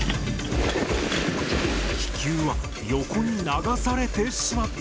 気球は横に流されてしまった。